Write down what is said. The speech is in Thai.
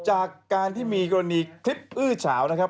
จากการที่มีกรณีคลิปอื้อเฉานะครับ